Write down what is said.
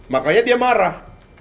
makanya dia marah